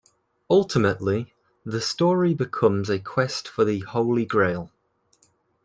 Ultimately the story becomes a quest for the Holy Grail.